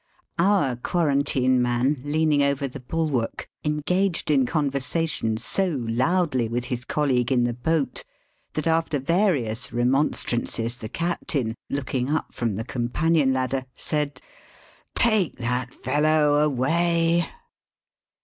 Our quarantine man leaning over the bulwark engaged in conver sation so loudly with his colleague in the boat, that after various remonstrances, the captain, looking up from the companion ladder, said, ^'Take that fellow away."